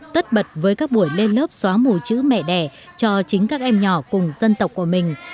tất bật với các buổi lên lớp xóa mù chữ mẹ đẻ cho chính các em nhỏ cùng dân tộc của mình